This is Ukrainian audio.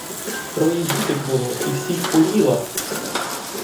Троє діток було — і всіх поїла!